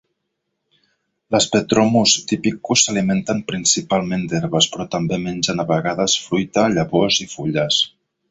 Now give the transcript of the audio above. Les petromus typicus s'alimenten principalment d'herbes, però també mengen a vegades fruita, llavors i fulles.